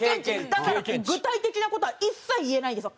だから具体的な事は一切言えないんですよ。